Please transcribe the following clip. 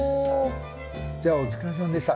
じゃあお疲れさんでした。